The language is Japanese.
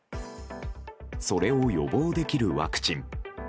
それを予防できるワクチン。